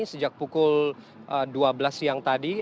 sejak pukul dua belas siang tadi